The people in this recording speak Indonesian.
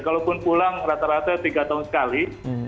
kalaupun pulang rata rata tiga tahun sekali